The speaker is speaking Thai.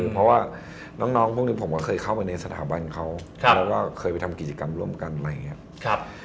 เพราะว่าน้องพวกนี้ผมก็เคยเข้าไปในสถาบันเขาแล้วก็เคยไปทำกิจกรรมร่วมกันอะไรอย่างนี้